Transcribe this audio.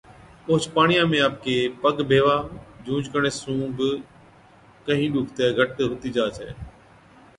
اوهچ پاڻِيان ۾ آپڪي پگ ڀيوا، جھُونچ ڪرڻي سُون بِي ڪهِين ڏُکتَي گھٽ هُتِي جا ڇَي۔